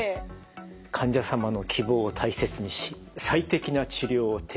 「患者様の希望を大切にし最適な治療を提供します」。